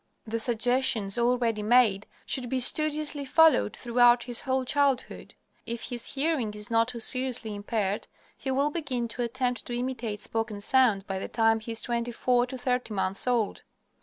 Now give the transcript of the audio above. The suggestions already made should be studiously followed throughout his whole childhood. If his hearing is not too seriously impaired, he will begin to attempt to imitate spoken sounds by the time he is twenty four to thirty months old.